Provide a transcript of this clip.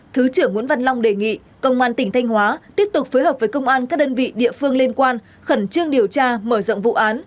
thứ trưởng nguyễn văn long đề nghị công an tỉnh thanh hóa tiếp tục phối hợp với công an các đơn vị địa phương liên quan khẩn trương điều tra mở rộng vụ án